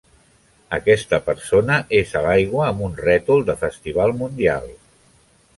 Aquesta persona és a l'aigua amb un rètol de festival mundial.